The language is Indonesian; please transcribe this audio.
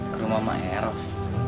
ke rumah sama eros